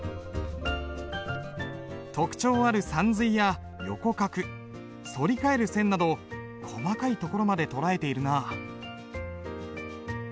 特徴あるさんずいや横画反り返る線など細かいところまで捉えているな。